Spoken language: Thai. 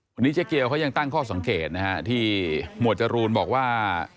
วันนี้เจ๊เกียวเขายังตั้งข้อสังเกตนะฮะที่หมวดจรูนบอกว่า